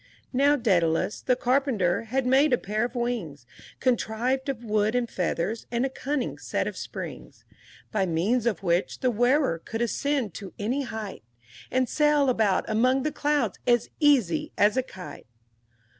IV Now Dædalus, the carpenter, had made a pair of wings, Contrived of wood and feathers and a cunning set of springs, By means of which the wearer could ascend to any height, And sail about among the clouds as easy as a kite!